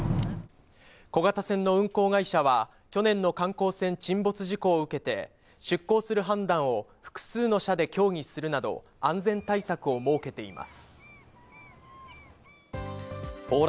小型船の運航会社は去年の観光船沈没事故を受けて出航する判断を複数の社で協議するなど安全対策を設けています。